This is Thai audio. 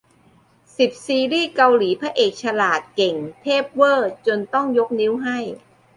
สิบ ซีรีส์เกาหลีพระเอกฉลาด เก่งเทพเว่อร์ จนต้องยกนิ้วให้